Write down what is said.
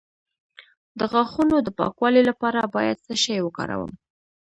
د غاښونو د پاکوالي لپاره باید څه شی وکاروم؟